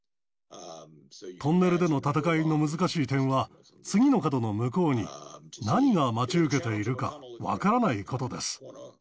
トンネルでの戦いの難しい点は、次の角の向こうに何が待ち受けているか、分からないことです。